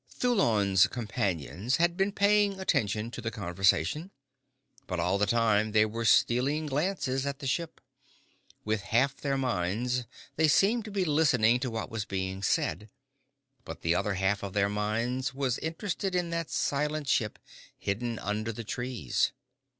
Thulon's companions had been paying attention to the conversation. But all the time they were stealing glances at the ship. With half their minds, they seemed to be listening to what was being said. But the other half of their minds was interested in that silent ship hidden under the trees.